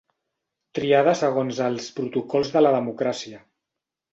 Triada segons els protocols de la democràcia.